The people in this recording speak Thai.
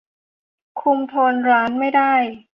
คุมโทนร้านไม่ได้